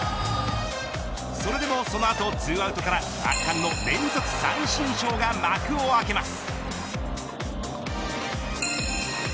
それでも、その後２アウトから圧巻の連続三振ショーが幕を開けます。